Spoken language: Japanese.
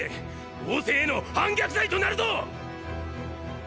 王政への反逆罪となるぞ！